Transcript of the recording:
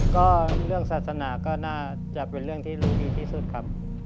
ก็เรื่องศาสนาก็น่าจะเป็นเรื่องที่รู้ดีที่สุดครับ